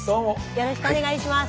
よろしくお願いします。